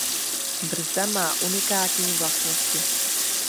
Brzda má unikátní vlastnosti.